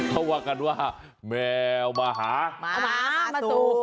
เขาว่ากันว่าแมวมาหามาหมามาสูบ